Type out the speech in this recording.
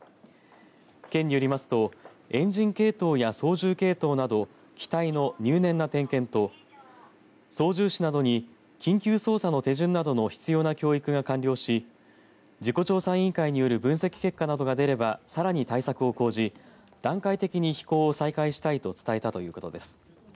県によりますと、エンジン系統や操縦系統など機体の入念な点検と操縦士などに緊急操作の手順などの必要な教育が完了し事故調査委員会による分析結果などが出ればさらに対策を講じ段階的に飛行を再開したいと伝えたということです。